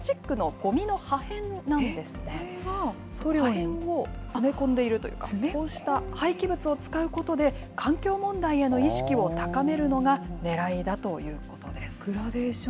これが破片を詰め込んでいるというか、こうした廃棄物を使うことで、環境問題への意識を高めるのがねらいだということです。